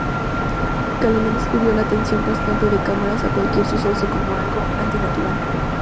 Coleman describió la atención constante de cámaras a cualquier suceso como 'algo antinatural'.